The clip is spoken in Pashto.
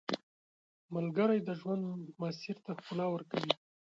ملګری د ژوند مسیر ته ښکلا ورکوي